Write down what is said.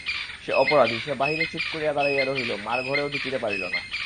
সে অপরাধী, সে বাহিরে চুপ করিয়া দাঁড়াইয়া রহিল–মার ঘরেও ঢুকিতে পারিল না।